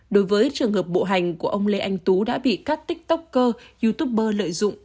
đối với trường hợp bộ hành của ông lê anh tú đã bị các tiktoker youtuber lợi dụng